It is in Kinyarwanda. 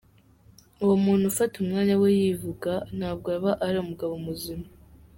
Uwo muntu ufata umwanya we yivuga ntabwo aba ari umugabo muzima.